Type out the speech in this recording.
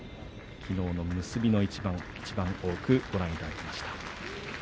きのうの結びの一番いちばん多くご覧いただきました。